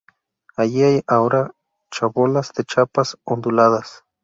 Allí hay ahora chabolas de chapas onduladas.